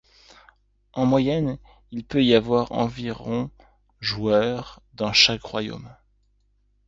En moyenne, il peut y avoir environ joueurs dans chaque Royaume.